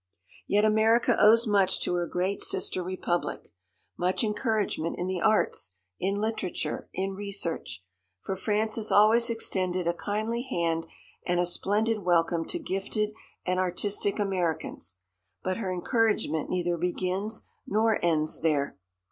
Yet America owes much to her great sister republic; much encouragement in the arts, in literature, in research. For France has always extended a kindly hand and a splendid welcome to gifted and artistic Americans. But her encouragement neither begins nor ends there.